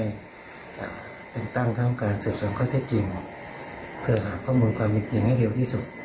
แต่งตั้งทั้งการสืบสวนข้อเท็จจริงเพื่อหาข้อมูลความจริงให้เร็วที่สุด